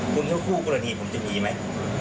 คุณเที่ยวคู่ปกติผมจะมีมั้ย